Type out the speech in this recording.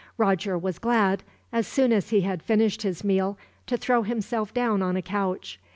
Roger was glad, as soon as he had finished his meal, to throw himself down on a couch.